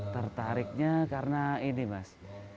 tertariknya karena ini mas